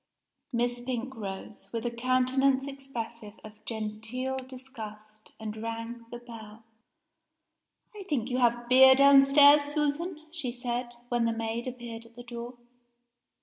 Miss Pink rose, with a countenance expressive of genteel disgust, and rang the bell. "I think you have beer downstairs, Susan?" she said, when the maid appeared at the door.